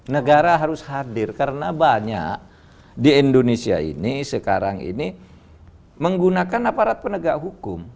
negara harus hadir karena banyak di indonesia ini sekarang ini menggunakan aparat penegak hukum